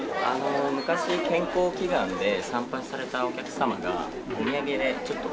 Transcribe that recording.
昔健康祈願で参拝されたお客様がお土産でちょっと。